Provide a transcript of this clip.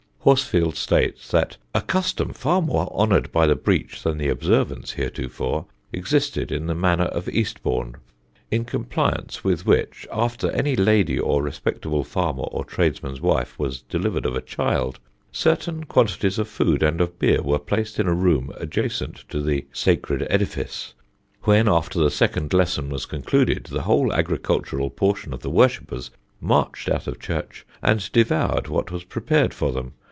Horsfield states that "a custom far more honoured by the breach than the observance heretofore existed in the manor of Eastbourne; in compliance with which, after any lady, or respectable farmer or tradesman's wife, was delivered of a child, certain quantities of food and of beer were placed in a room adjacent to the sacred edifice; when, after the second lesson was concluded, the whole agricultural portion of the worshippers marched out of church, and devoured what was prepared for them.